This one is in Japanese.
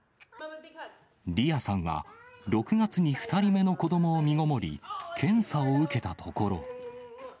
リアさんは、６月に２人目の子どもをみごもり、検査を受けたところ。